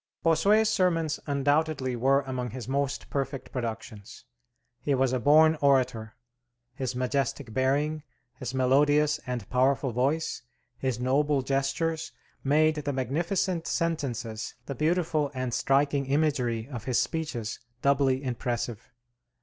Bossuet's sermons undoubtedly were among his most perfect productions. He was a born orator; his majestic bearing, his melodious and powerful voice, his noble gestures, made the magnificent sentences, the beautiful and striking imagery of his speeches, doubly impressive.